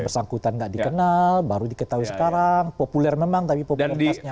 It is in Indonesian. yang bersangkutan gak dikenal baru diketahui sekarang populer memang tapi populernasnya